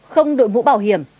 không đội mũ bảo hiểm